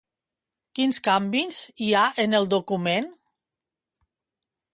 Quins canvis hi ha en el document?